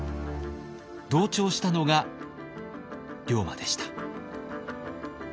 同調したのが龍馬でした。